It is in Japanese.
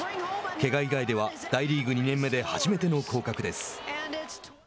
けが以外では大リーグ２年目で初めての降格です。